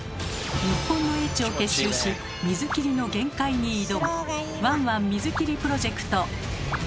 日本の英知を結集し水切りの限界に挑む「ワンワン水切りプロジェクト」。